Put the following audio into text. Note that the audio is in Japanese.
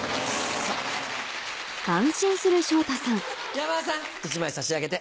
山田さん１枚差し上げて。